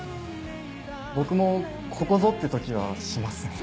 僕もここぞって時はしますね。